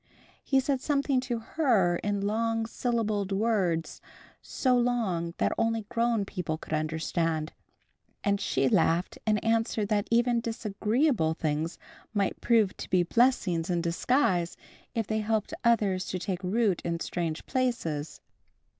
He said something to Her in long syllabled words, so long that only grown people could understand. And she laughed and answered that even disagreeable things might prove to be blessings in disguise, if they helped others to take root in strange places.